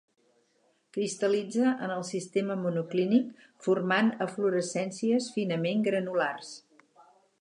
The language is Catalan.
Cristal·litza en el sistema monoclínic formant eflorescències finament granulars.